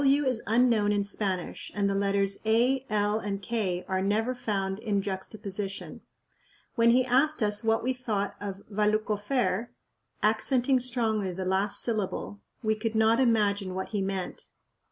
"W" is unknown in Spanish and the letters "a," "l," and "k" are never found in juxtaposition. When he asked us what we thought of "Valluck ofair'," accenting strongly the last syllable, we could not imagine what he meant.